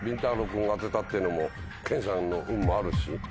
君当てたってのも研さんの運もあるし。